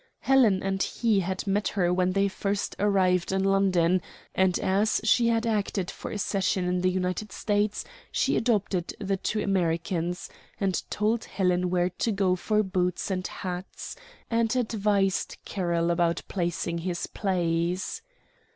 Helen and he had met her when they first arrived in London, and as she had acted for a season in the United States, she adopted the two Americans and told Helen where to go for boots and hats, and advised Carroll about placing his plays.